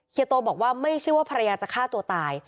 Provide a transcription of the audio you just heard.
โตบอกว่าไม่ใช่ว่าภรรยาจะฆ่าตัวตาย